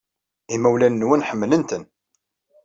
Imawlan-nwen ḥemmlen-ten.